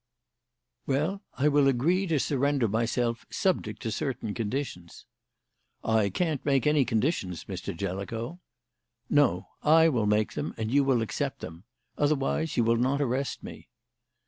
"Well, I will agree to surrender myself subject to certain conditions." "I can't make any conditions, Mr. Jellicoe." "No. I will make them, and you will accept them. Otherwise you will not arrest me."